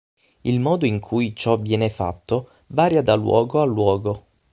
Il modo in cui ciò viene fatto varia da luogo a luogo.